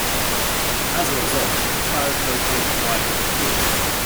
As a result, fire codes nationwide were improved.